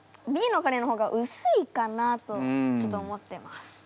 Ｂのカレーの方がうすいかなとちょっと思ってます。